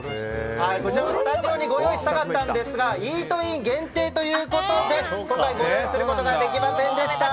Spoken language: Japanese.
こちらもスタジオにご用意したかったんですがイートイン限定ということで今回、ご用意することができませんでした。